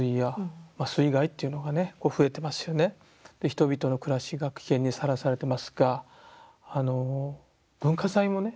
人々の暮らしが危険にさらされてますが文化財もね